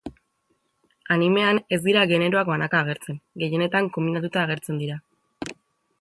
Animean ez dira generoak banaka agertzen, gehienetan konbinatuta agertzen dira.